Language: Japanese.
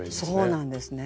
そうなんですね。